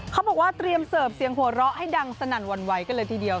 เขาบอกว่าเตรียมเสิร์ฟเสียงหัวเราะให้ดังสนั่นหวั่นไหวกันเลยทีเดียว